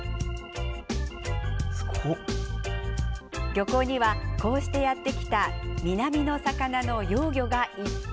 漁港にはこうしてやって来た南の魚の幼魚がいっぱい！